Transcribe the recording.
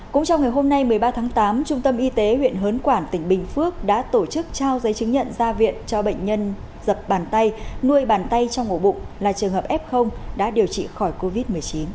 cũng trong ngày hôm nay một mươi ba tháng tám trung tâm y tế huyện hớn quản tỉnh bình phước đã tổ chức trao giấy chứng nhận ra viện cho bệnh nhân dập bàn tay nuôi bàn tay trong ổ bụng là trường hợp f đã điều trị khỏi covid một mươi chín